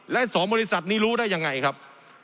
และให้๒บริษัทนี้รู้ได้อย่างไรครับ